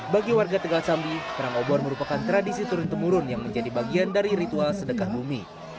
bagi warga tegal sambi perang obor merupakan tradisi turun temurun yang menjadi bagian dari ritual sedekah bumi